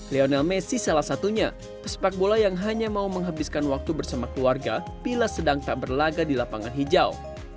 lionel messi salah satunya pesepak bola yang hanya mau menghabiskan waktu bersama keluarga bila sedang tak berlaga di lapangan hijau